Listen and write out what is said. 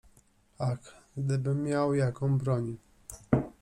Ach, gdybym miał jaką broń!